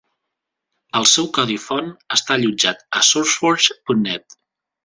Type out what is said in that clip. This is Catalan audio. El seu codi font està allotjat a SourceForge punt net.